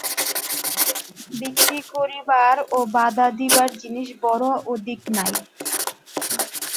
বিক্রি করিবার ও বাঁধা দিবার জিনিস বড়ো অধিক নাই।